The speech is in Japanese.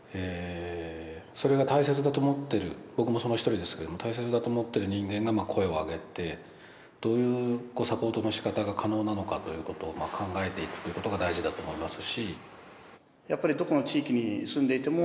それが大切だと思っている僕もその一人ですけども大切だと思っている人間が声を上げてどういうサポートの仕方が可能なのかということを考えていくということが大事だと思いますし。